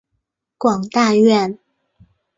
广大院。